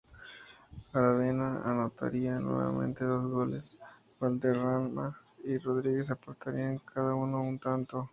Aravena anotaría nuevamente dos goles; Valderrama y Rodríguez aportarían cada uno un tanto.